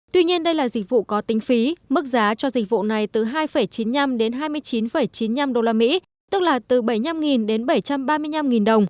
tuy nhiên đây là dịch vụ có tính phí mức giá cho dịch vụ này từ hai chín mươi năm đến hai mươi chín chín mươi năm usd tức là từ bảy mươi năm đến bảy trăm ba mươi năm đồng